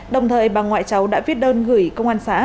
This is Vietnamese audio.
đồng thời bà ngoại cháu đã viết đơn gửi công an xã